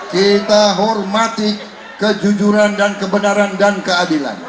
kita hormati kejujuran dan kebenaran dan keadilan